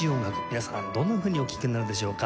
皆さんどんなふうにお聴きになるでしょうか？